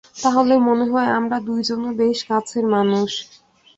তাহলে মনে হয় আমরা দুইজনও বেশ কাছের মানুষ।